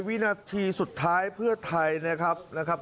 สิ่งที่สุดท้ายเพื่อใหภัยนะครับ